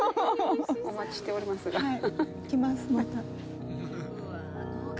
お待ちしておりますが。